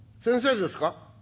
先生ですか？」。